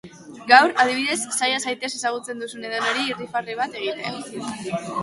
Gaur, adibidez, saia zaitez ezagutzen duzun edonori irribarre bat eragiten.